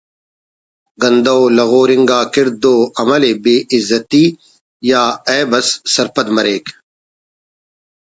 گندہ و لغور انگا کڑد و عمل ءِ بے عزتی یا عیب اس سرپد مریک